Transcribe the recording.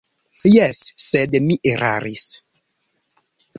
Jes, sed mi eraris.